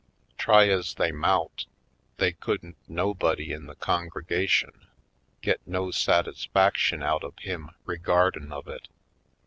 Try ez they mout, they couldn't nobody in the con gregation git no satisfaction out of him re guardin' of it.